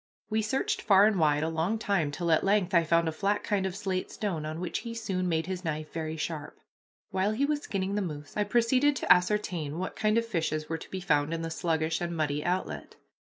We searched far and wide a long time till at length I found a flat kind of slate stone, on which he soon made his knife very sharp. While he was skinning the moose I proceeded to ascertain what kind of fishes were to be found in the sluggish and muddy outlet.